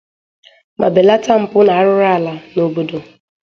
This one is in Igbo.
ma belata mpụ na arụrụala n'obodo.